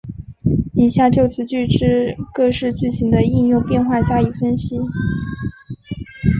以下就此句之各式句型的应用变化加以分析。